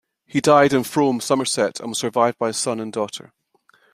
He died in Frome, Somerset and was survived by his son and daughter.